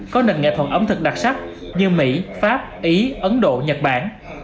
có nền nghệ thuật ẩm thực đặc sắc như mỹ pháp ý ấn độ nhật bản